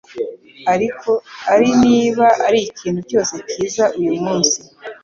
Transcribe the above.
Ari, niba arikintu cyose, cyiza uyu munsi.